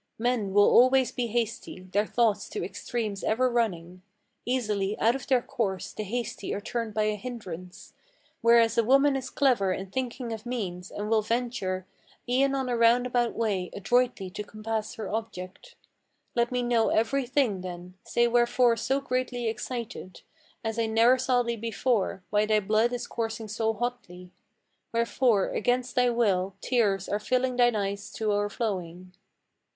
Men will always be hasty, their thoughts to extremes ever running: Easily out of their course the hasty are turned by a hindrance. Whereas a woman is clever in thinking of means, and will venture E'en on a roundabout way, adroitly to compass her object. Let me know every thing, then; say wherefore so greatly excited 'As I ne'er saw thee before, why thy blood is coursing so hotly, Wherefore, against thy will, tears are filling thine eyes to o'erflowing."